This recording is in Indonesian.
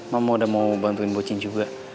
mama udah mau bantuin bu cin juga